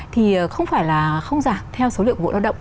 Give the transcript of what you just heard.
thì không phải là không giảm theo số lượng vụ lao động